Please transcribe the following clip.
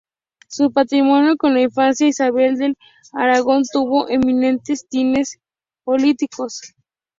Su matrimonio con la infanta Isabel de Aragón tuvo eminentes tintes políticos.